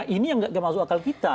ini yang tidak masuk akal kita